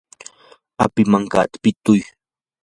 api mankata pituy.